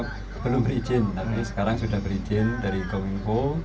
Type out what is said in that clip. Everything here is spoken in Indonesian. belum berizin tapi sekarang sudah berizin dari kominfo